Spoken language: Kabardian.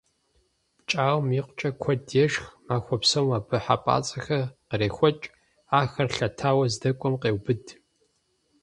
ПкӀауэм икъукӀэ куэд ешх, махуэ псом абы хьэпӀацӀэхэр кърехуэкӀ, ахэр лъэтауэ здэкӀуэм къеубыд.